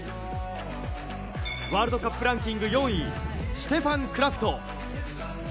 ワールドカップランキング４位、シュテファン・クラフト。